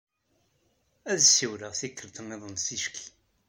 Ad siwleɣ tikkelt-nniḍen ticki.